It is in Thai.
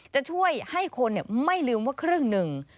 จะช่วยให้คนไม่ลืมว่าครึ่งหนึ่ง